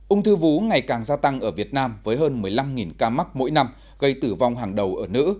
ung thư vú ngày càng gia tăng ở việt nam với hơn một mươi năm ca mắc mỗi năm gây tử vong hàng đầu ở nữ